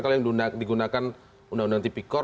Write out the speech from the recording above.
kalau yang digunakan undang undang tipikor